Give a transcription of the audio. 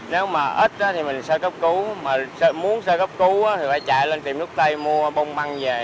nếu mà ít thì mình sơ cấp cứu mà muốn sơ cấp cứu thì phải chạy lên tiệm nút tay mua bông băng về